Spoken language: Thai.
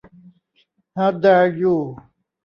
ฮาวแดร์ยู